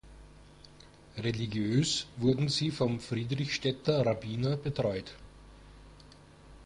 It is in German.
Religiös wurden sie vom Friedrichstädter Rabbiner betreut.